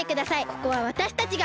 ここはわたしたちが。